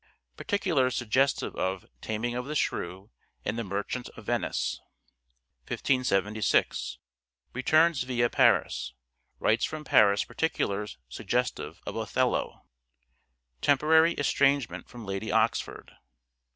(Particulars suggestive of " Taming of the Shrew " and " The Merchant of Venice "). 1576. Returns via Paris. Writes from Paris particulars suggestive of " Othello." Temporary estrangement from Lady Oxford.